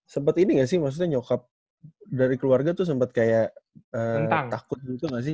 sempat ini gak sih maksudnya nyokap dari keluarga tuh sempat kayak takut juga gak sih